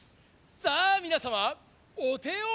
さあみなさまおてを。